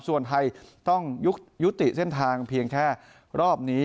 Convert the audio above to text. ส่วนไทยต้องยุติเส้นทางเพียงแค่รอบนี้